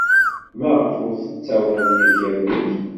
Maɣef ur tettawyeḍ yid-k amrig?